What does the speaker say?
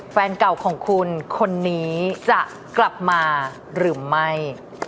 แฟนเก่าของคุณคนนี้จะกลับมาหรือไม่